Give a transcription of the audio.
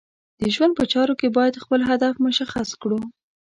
د ژوند په چارو کې باید خپل هدف مشخص کړو.